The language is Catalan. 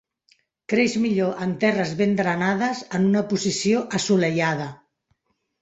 Creix millor en terres ben drenades en una posició assolellada.